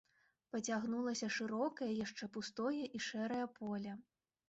Пацягнулася шырокае, яшчэ пустое і шэрае поле.